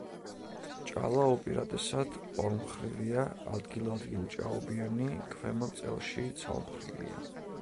ჭალა უპირატესად ორმხრივია, ადგილ-ადგილ ჭაობიანი, ქვემო წელში ცალმხრივია.